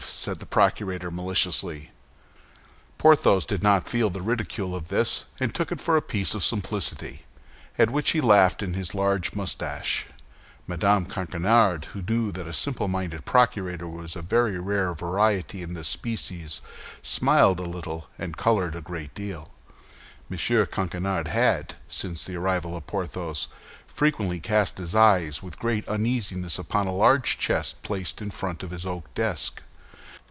said the procurator, maliciously. Porthos did not feel the ridicule of this, and took it for a piece of simplicity, at which he laughed in his large mustache. Mme. Coquenard, who knew that a simple minded procurator was a very rare variety in the species, smiled a little, and colored a great deal. M. Coquenard had, since the arrival of Porthos, frequently cast his eyes with great uneasiness upon a large chest placed in front of his oak desk.